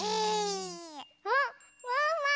あっワンワン！